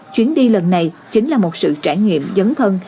chuyến đi lần này chính là một sự trải nghiệm dấn thân